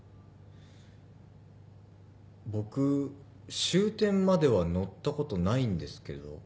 僕終点までは乗ったことないんですけど。